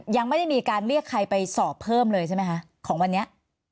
ยังไม่ได้มีการเรียกใครไปสอบเพิ่มเลยใช่ไหมคะของวันนี้